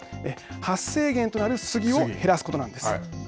発生源となるスギを減らすことなんです。